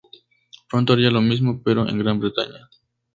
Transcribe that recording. Pronto harían lo mismo, pero en Gran Bretaña.